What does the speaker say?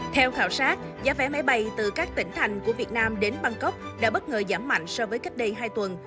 theo khảo sát giá vé máy bay từ các tỉnh thành của việt nam đến bangkok đã bất ngờ giảm mạnh so với cách đây hai tuần